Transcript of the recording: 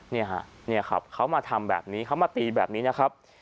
นี่ฮะเนี่ยครับเขามาทำแบบนี้เขามาตีแบบนี้นะครับ